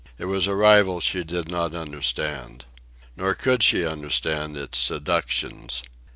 It was a rival she did not understand. Nor could she understand its seductions.